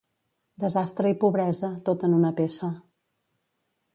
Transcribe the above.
Desastre i pobresa, tot en una peça.